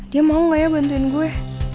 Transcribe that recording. dia mau gak ya bantuin gue